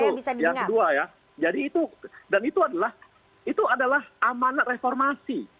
baru satu yang kedua ya jadi itu dan itu adalah itu adalah amanat reformasi